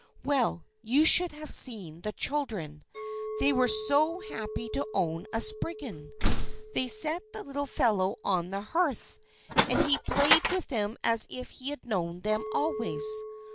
Well, you should have seen the children! They were so happy to own a Spriggan! They set the little fellow on the hearth, and he played with them as if he had known them always.